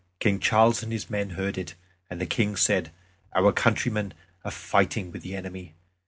King Charles and his men heard it, and the King said, "Our countrymen are fighting with the enemy."